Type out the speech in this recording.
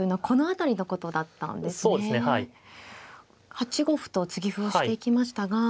８五歩と継ぎ歩をしていきましたが。